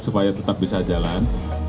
supaya tetap bisa jalan